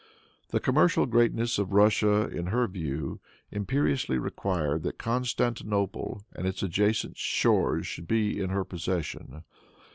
The commercial greatness of Russia, in her view, imperiously required that Constantinople and its adjacent shores should be in her possession.